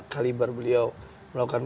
kaliber beliau melakukan